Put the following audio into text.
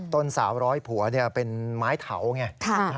ต้นสาวร้อยผัวเป็นไม้เถาไง